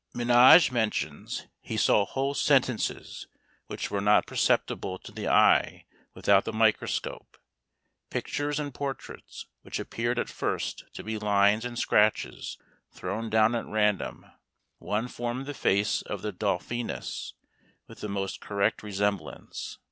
Menage mentions, he saw whole sentences which were not perceptible to the eye without the microscope; pictures and portraits which appeared at first to be lines and scratches thrown down at random; one formed the face of the Dauphiness with the most correct resemblance.